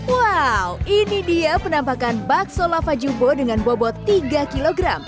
wow ini dia penampakan bakso lava jubo dengan bobot tiga kg